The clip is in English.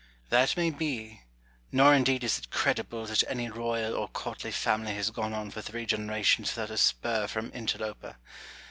Noble. That may be : nor indeed is it credible that any royal or courtly family has gone on for three generations without a spur from interloper.